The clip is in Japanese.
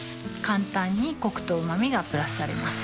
簡単にコクとうま味がプラスされます